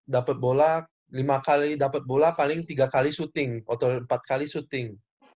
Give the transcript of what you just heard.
dapat bola lima kali dapat bola paling tiga kali syuting atau empat kali syuting